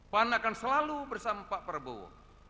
pan akan selalu bersama pak prabowo